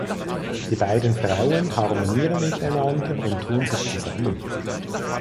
Die beiden Frauen harmonieren miteinander und tun sich zusammen.